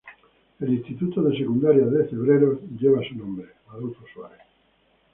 El instituto de Secundaria de Cebreros lleva su nombre.